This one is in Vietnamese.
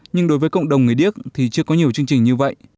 nhưng đối với cộng đồng người điếc thì chưa có nhiều chương trình như vậy